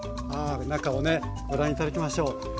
中をねご覧頂きましょう。